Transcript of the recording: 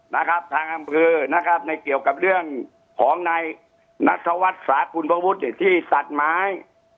นะครับทางอำเภอนะครับในเกี่ยวกับเรื่องของนายนัทวัฒน์สากุลพระวุฒิที่ตัดไม้